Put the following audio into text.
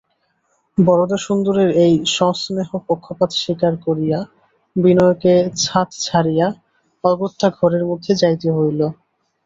বরদাসুন্দরীর এই সস্নেহ পক্ষপাত স্বীকার করিয়া বিনয়কে ছাত ছাড়িয়া অগত্যা ঘরের মধ্যে যাইতে হইল।